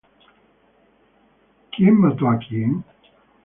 Who Killed Who?